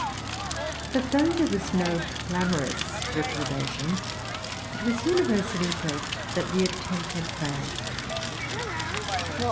But, though there was no clamorous reprobation, it was universally felt that the attempt had failed.